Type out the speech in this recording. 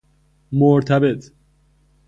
مرتبط